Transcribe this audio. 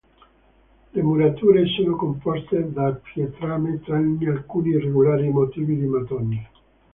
Le murature sono composte da pietrame, tranne alcuni irregolari motivi di mattoni.